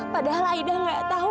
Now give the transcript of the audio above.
padahal aida gak tau